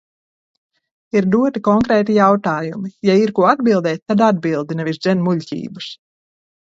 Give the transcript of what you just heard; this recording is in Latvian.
Ir doti konkrēti jautājumi, ja ir ko atbildēt, tad atbildi nevis dzen muļķības.